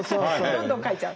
どんどん書いちゃう。